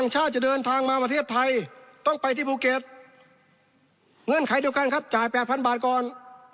ชาชน๘พันบาทก่อน